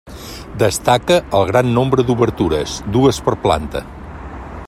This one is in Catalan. Destaca el gran nombre d'obertures, dues per planta.